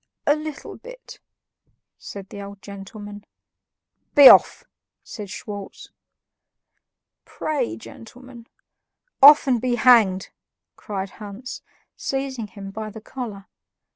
"A little bit," said the old gentleman. "Be off!" said Schwartz. "Pray, gentlemen." "Off, and be hanged!" cried Hans, seizing him by the collar.